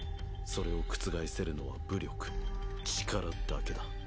それを覆せるのは武力力だけだ。